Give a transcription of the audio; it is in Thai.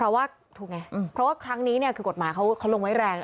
เพราะว่าถูกไงเพราะว่าครั้งนี้เนี่ยคือกฎหมายเขาลงไว้แรง